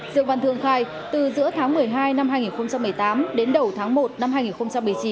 dương văn thương khai từ giữa tháng một mươi hai năm hai nghìn một mươi tám đến đầu tháng một năm hai nghìn một mươi chín